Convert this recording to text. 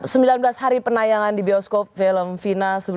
sembilan belas hari penayangan di bioskop film final